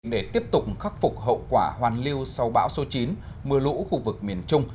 để tiếp tục khắc phục hậu quả hoàn lưu sau bão số chín mưa lũ khu vực miền trung